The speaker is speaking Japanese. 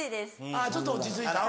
あっちょっと落ち着いた。